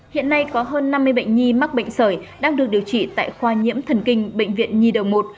hiện nay có hơn năm mươi bệnh nhi mắc bệnh sởi đang được điều trị tại khoa nhiễm thần kinh bệnh viện nhi đầu một